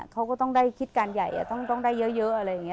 เขาก็ต้องได้คิดการใหญ่ต้องได้เยอะอะไรอย่างนี้